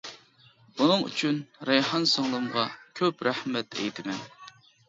بۇنىڭ ئۈچۈن رەيھان سىڭلىمغا كۆپ رەھمەت ئېيتىمەن!